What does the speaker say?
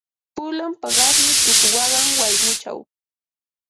Pulan paqasmi tuku waqan wayquchaw.